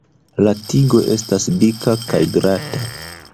La tigo esta dika kaj glata.